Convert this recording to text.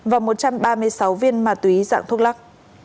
và một trăm ba mươi sáu viên ma túy dạng thuốc lắc